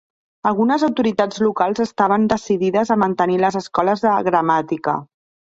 Algunes autoritats locals estaven decidides a mantenir les escoles de gramàtica.